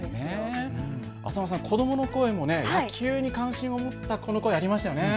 浅野さん子どもの声も、野球に関心を持った子どもの声、ありましたよね。